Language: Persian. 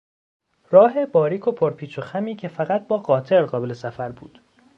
راه باریک و پرپیچ و خمی که فقط با قاطر قابل سفر بود